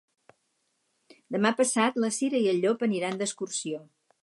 Demà passat na Cira i en Llop aniran d'excursió.